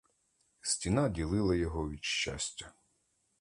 Стіна ділила його від щастя.